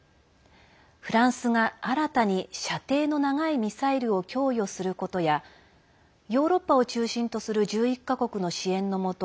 フランスが新たに射程の長いミサイルを供与することやヨーロッパを中心とする１１か国の支援のもと